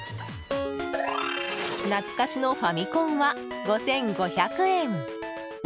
懐かしのファミコンは５５００円。